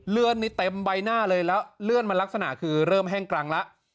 เลือดนี้เต็มใบหน้าเลยแล้วเลื่อนมันลักษณะคือเริ่มแห้งกรังแล้ว